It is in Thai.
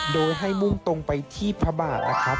โดยให้มุ่งตรงไปที่พระบาทนะครับ